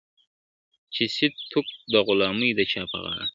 چي سي طوق د غلامۍ د چا په غاړه ,